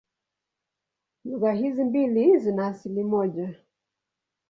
Lugha hizi mbili zina asili moja.